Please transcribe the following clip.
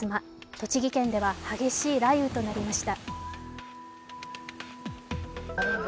栃木県では激しい雷雨となりました。